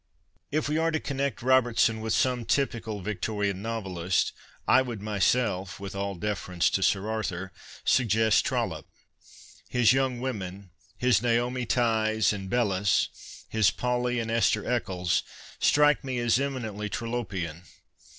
If we are to connect Robertson with some typical Victorian novelist, I would myself, with all deference to Sir Arthur, suggest Trollope. His young women, his Naomi Tighcs and Bellas, his Polly and Esther Eccles, strike me as eminently Trollopean.